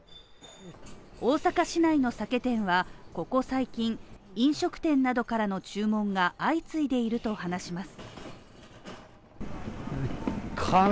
大阪市内の酒店はここ最近、飲食店などからの注文が相次いでいると話します。